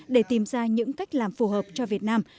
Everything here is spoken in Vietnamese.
để tìm ra những cách làm phù hợp cho việt nam